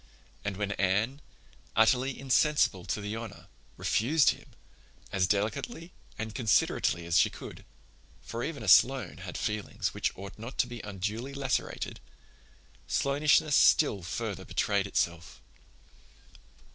And when Anne, utterly insensible to the honor, refused him, as delicately and considerately as she could—for even a Sloane had feelings which ought not to be unduly lacerated—Sloanishness still further betrayed itself.